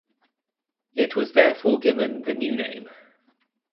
It was therefore given the new name.